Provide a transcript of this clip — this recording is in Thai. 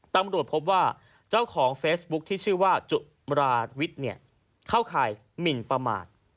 ตำรวจพบว่าเจ้าของเฟซบุ๊คที่ชื่อว่าจุมราวิทย์เข้าข่ายหมินประมาท